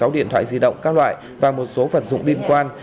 một mươi sáu điện thoại di động các loại và một số vật dụng biên quan